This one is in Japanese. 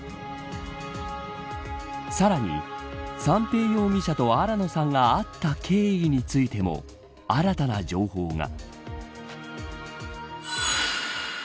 さらに、三瓶容疑者と新野さんが会った経緯についても新たな情報が。